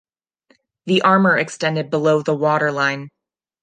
The armour extended below the waterline.